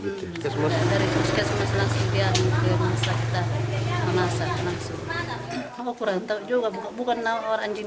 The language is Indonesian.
dari puskesmas langsung dia ke masa kita masa langsung